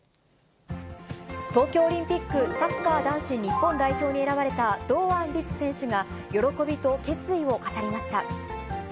東京オリンピックサッカー男子日本代表に選ばれた堂安律選手が、喜びと決意を語りました。